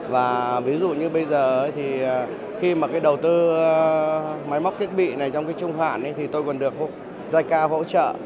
và ví dụ như bây giờ thì khi mà cái đầu tư máy móc thiết bị này trong cái trung khoản thì tôi còn được giai ca hỗ trợ